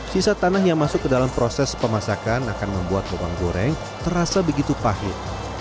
sisa tanah yang masuk ke dalam proses pemasakan akan membuat bawang goreng terasa begitu pahit